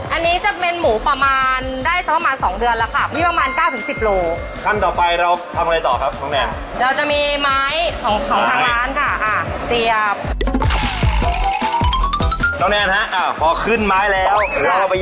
อันนี้จะเป็นหมูประมาณได้ซะประมาณสองเดือนแล้วครับ